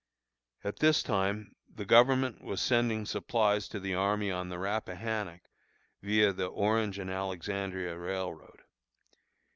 At this time the government was sending supplies to the army on the Rappahannock viâ the Orange and Alexandria Railroad.